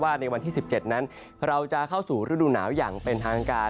ในวันที่๑๗นั้นเราจะเข้าสู่ฤดูหนาวอย่างเป็นทางการ